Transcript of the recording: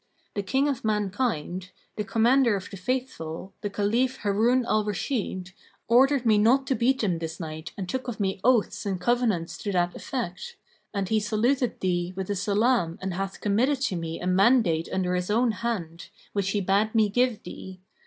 The King of mankind, the Commander of the Faithful, the Caliph Harun al Rashid, ordered me not to beat them this night and took of me oaths and covenants to that effect; and he saluteth thee with the salam and hath committed to me a mandate under his own hand, which he bade me give thee.